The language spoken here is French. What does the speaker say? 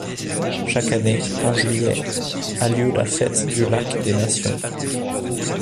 Chaque année, en juillet, a lieu la Fête du lac des Nations.